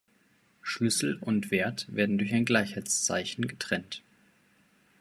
Schlüssel und Wert werden durch ein Gleichheitszeichen getrennt.